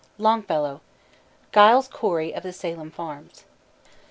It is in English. LONGFELLOW: _Giles Corey of the Salem Farms.